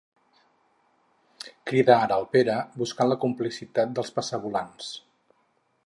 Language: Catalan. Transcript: Crida ara el Pere buscant la complicitat dels passavolants.